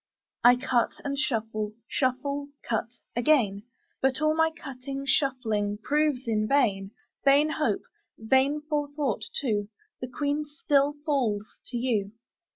I cut and shuffle; shuffle, cut, again; But all my cutting, shuffling, proves in vain: Vain hope, vain forethought too; The Queen still falls to you.